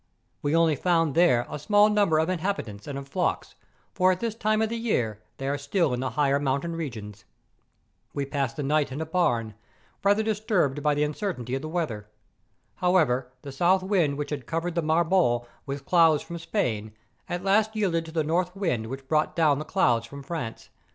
We only found there a small num¬ ber of inhabitants and of flocks, for at this time of year they are still in the higher mountain regions. We passed the night in a barn, rather disturbed by the uncertainty of the weather. However, the south wind which had covered the Marbore with clouds from Spain, at last yielded to the north wind which brought down the clouds from France.